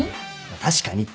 確かにって。